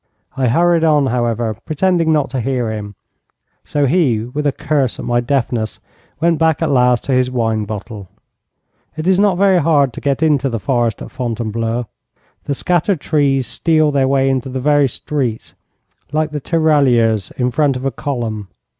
I hurried on, however, pretending not to hear him, so he, with a curse at my deafness, went back at last to his wine bottle. It is not very hard to get into the forest at Fontainebleau. The scattered trees steal their way into the very streets, like the tirailleurs in front of a column.